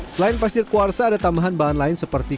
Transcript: selain pasir kuarsa ada tambahan bahan lain seperti